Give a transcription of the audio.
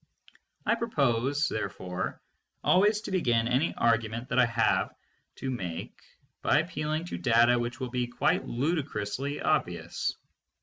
I propose, therefore, always to begin any argument that I have to make by appealing to data which will be quite ludicrously obvious.